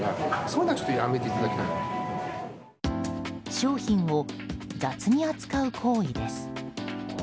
商品を雑に扱う行為です。